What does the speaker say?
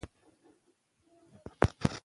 چي د لا ښه پوهاوي لپاره یې ما هڅه کړي.